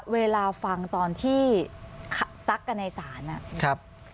เวลาฟังตอนที่ศักดิ์กันในศาล